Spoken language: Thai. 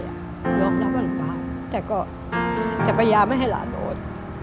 ยอมรับวันหลังบ้านแต่ก็พยายามไม่ให้ร้านโดด